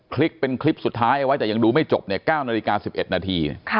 คลิปเป็นคลิปสุดท้ายเอาไว้แต่ยังดูไม่จบ๙นาฬิกา๑๑นาที